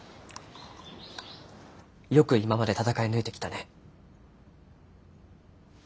よく今まで戦い抜いてきたね。